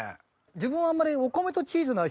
自分はあんまり。